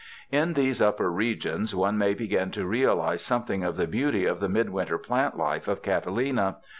In these upper regions one may begin to realize something of the beauty of the midwinter plant life of Catalina.